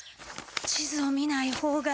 地図を見ない方が。